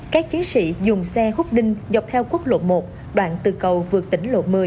các chiến sĩ dùng xe hút đinh dọc theo quốc lộ một đoạn từ cầu vượt tỉnh lộ một mươi